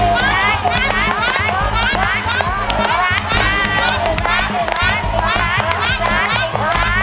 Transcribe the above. ๑ล้านบาท